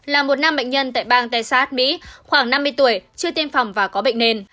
là một nam bệnh nhân tại bang texas mỹ khoảng năm mươi tuổi chưa tiêm phòng và có bệnh nền